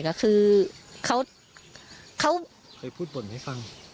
เคยพูดบ่นไหมฟัง